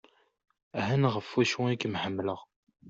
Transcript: Han ɣef acu i k(m)-ḥemmleɣ.